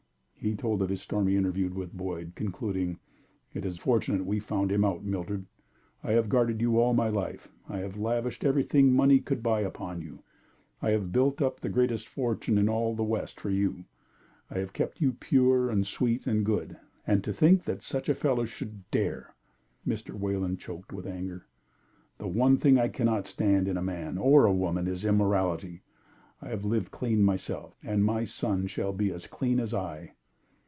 He told of his stormy interview with Boyd, concluding: "It is fortunate we found him out, Mildred. I have guarded you all my life. I have lavished everything money could buy upon you. I have built up the greatest fortune in all the West for you. I have kept you pure and sweet and good and to think that such a fellow should dare " Mr. Wayland choked with anger. "The one thing I cannot stand in a man or a woman is immorality. I have lived clean myself, and my son shall be as clean as I."